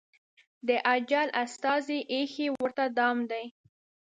د اجل استازي ایښی ورته دام دی